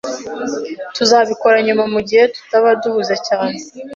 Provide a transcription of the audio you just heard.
Tuzabikora nyuma mugihe tutaba duhuze cyane